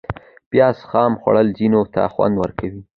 پیاز خام خوړل ځینو ته خوند ورکوي